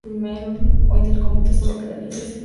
Hoy del convento solo queda la iglesia de San Salvador.